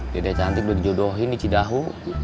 dede cantik udah dijodohin di cidahu